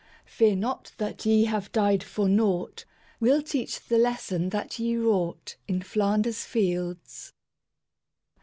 Fear not that ye have died for naught; We'll teach the lesson that ye wrought In Flanders Fields.